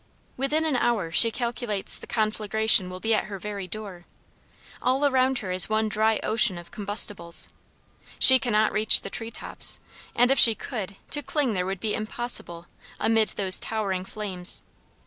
Within an hour she calculates the conflagration would be at her very door. All around her is one dry ocean of combustibles. She cannot reach the tree tops, and if she could, to cling there would be impossible amid those towering flames.